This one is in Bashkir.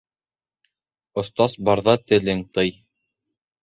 Остаз барҙа телең тый.